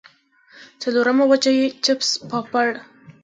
څلورمه وجه ئې چپس پاپړ